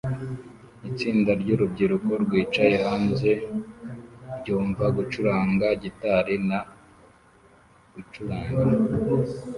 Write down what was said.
Itsinda ryurubyiruko rwicaye hanze rwumva gucuranga gitari na gucuranga